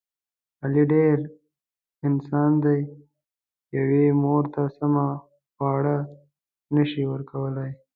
علي ډېر..... انسان دی. یوې مور ته سمه خواړه نشي ورکولی.